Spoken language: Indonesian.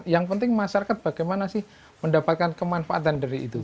yang penting masyarakat bagaimana sih mendapatkan kemanfaatan dari itu